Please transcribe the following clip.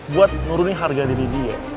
buat nuruni harga diri dia